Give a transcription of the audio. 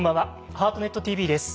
「ハートネットＴＶ」です。